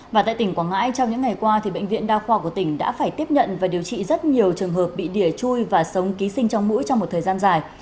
và tại tỉnh quảng ngãi trong những ngày qua bệnh viện đa khoa của tỉnh đã phải tiếp nhận và điều trị rất nhiều trường hợp bị đỉa chui và sống ký sinh trong mũi trong một thời gian dài